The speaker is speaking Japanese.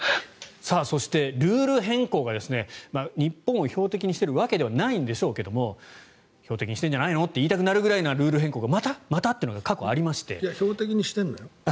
そして、ルール変更が日本を標的にしてるわけじゃないんでしょうけど標的にしてるんじゃないのと言いたくなるぐらいのルール変更がまたまたというのは標的にしてるのよ。